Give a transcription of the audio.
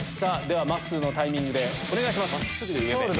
まっすーのタイミングでお願いします。